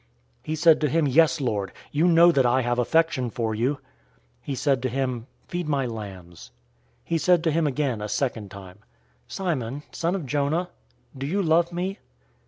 He said to him, "Yes, Lord; you know that I have affection for you." He said to him, "Feed my lambs." 021:016 He said to him again a second time, "Simon, son of Jonah, do you love me?"